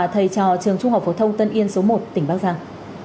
thầy trò trường trung học phổ thông tân yên số một tỉnh bắc giang